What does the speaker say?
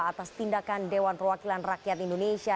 atas tindakan dewan perwakilan rakyat indonesia